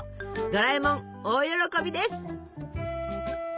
ドラえもん大喜びです。